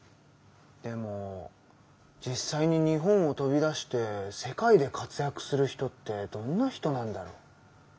でも実際に日本を飛び出して世界で活躍する人ってどんな人なんだろう？